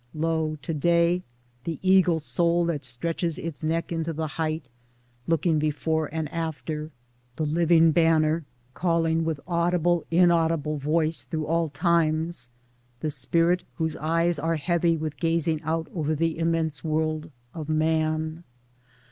] Lo ! to day the eagle soul that stretches its neck into the height, looking before and after ; the living banner calling with audible inaudible voice through all times ; the spirit whose eyes are heavy with gazing out over the immense world of MAN